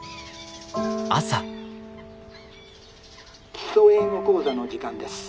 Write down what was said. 「『基礎英語講座』の時間です。